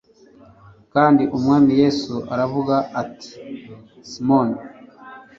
kandi umwami yesu aravuga ati simoni